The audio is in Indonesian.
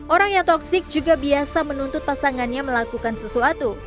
orang yang toxic juga biasa menuntut pasangannya melakukan sesuatu